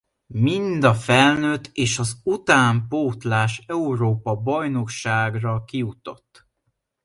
Mind a felnőtt és az utánpótlás Európa-bajnokságra kijutott.